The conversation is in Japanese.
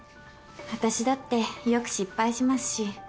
あたしだってよく失敗しますし。